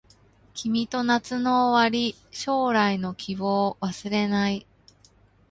君と夏の終わり将来の希望忘れない